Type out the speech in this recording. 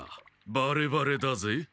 バレバレだぜ。